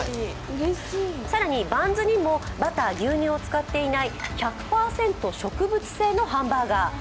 更にバンズにもバター、牛乳を使っていない１００％植物性のハンバーガー。